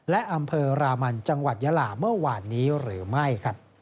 และอำเภอรามันจังหวัดยาลาเมื่อวานนี้หรือไม่